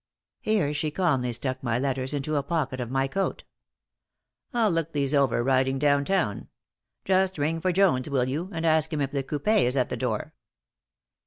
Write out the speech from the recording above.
Here she calmly stuck my letters into a pocket of my coat. "I'll look these over riding down town. Just ring for Jones, will you, and ask him if the coupé is at the door."